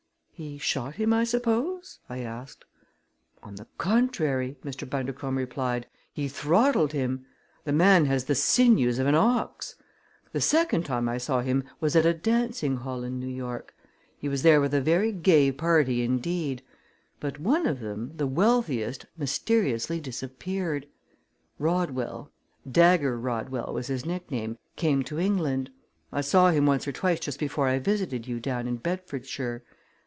"He shot him, I suppose?" I asked. "On the contrary," Mr. Bundercombe replied, "he throttled him. The man has the sinews of an ox. The second time I saw him was at a dancing hall in New York. He was there with a very gay party indeed; but one of them, the wealthiest, mysteriously disappeared. Rodwell Dagger Rodwell was his nickname came to England. I saw him once or twice just before I visited you down in Bedfordshire.